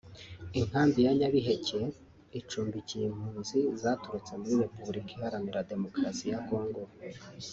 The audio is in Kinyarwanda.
Inkambi ya Nyabiheke icumbikiye impunzi zaturutse muri Repubulika Iharanira Demokarasi ya Congo